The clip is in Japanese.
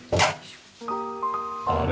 あれ？